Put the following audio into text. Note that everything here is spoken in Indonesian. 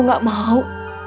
ibu gak mau